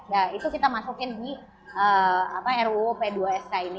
nah itu kita masukin di ruu p dua sk ini